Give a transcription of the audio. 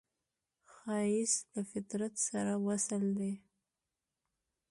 ښایست له فطرت سره وصل دی